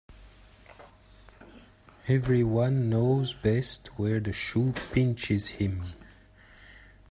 Every one knows best where the shoe pinches him